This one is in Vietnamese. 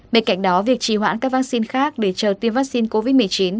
bên cạnh đó việc trì hoãn các vaccine khác để chờ tiêm vaccine covid một mươi chín